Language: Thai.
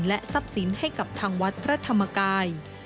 และทรัพย์สินให้กับทางวัดพระธรรมกาย